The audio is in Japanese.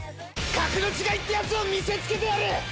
格の違いってやつを見せつけてやる‼